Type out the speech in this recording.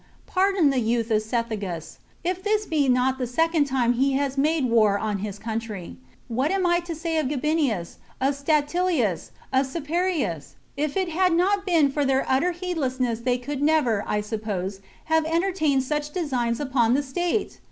Pardon the youth of Cethegus, if this be not the second time he has made war on his country. What am I to say of Gabinius, of Statilius, of Caeparius ? If it had not been for their utter heedlessness they could never, I suppose, have entertained such designs upon the state!